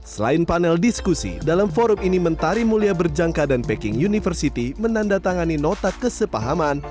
selain panel diskusi dalam forum ini mentari mulia berjangka dan packing university menandatangani nota kesepahaman